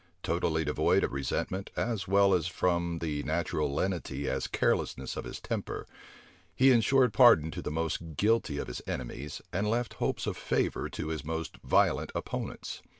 Totally devoid of resentment, as well from the natural lenity as carelessness of his temper, he insured pardon to the most guilty of his enemies, and left hopes of favor to his most violent opponents.